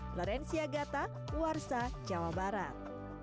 florencia gata warsa jawa barat